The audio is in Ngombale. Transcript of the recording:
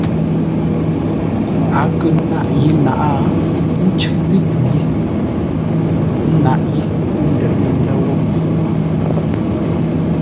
A kə̂ nâʼ yé naʼá, ə́ ncʉʼtə́ tû ye ńnaʼ yé, ə́ ndə̂r lə̂ ndə̂ wə̂ mpfu wo.